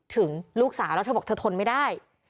ถึงลูกสาวแล้วเธอบอกเธอทนไม่ได้